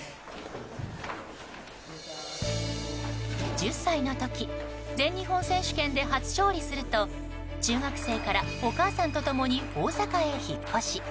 １０歳の時全日本選手権で初勝利すると中学生からお母さんと共に大阪へ引っ越し。